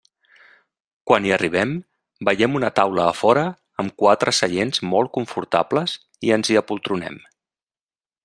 Quan hi arribem, veiem una taula a fora amb quatre seients molt confortables i ens hi apoltronem.